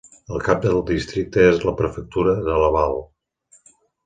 El cap del districte és la prefectura de Laval.